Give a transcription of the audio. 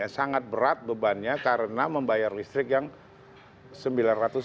sangat berat bebannya karena membayar listrik yang rp sembilan ratus